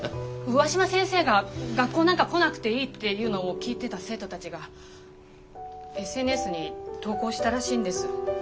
上嶋先生が学校なんか来なくていいって言うのを聞いてた生徒たちがＳＮＳに投稿したらしいんです。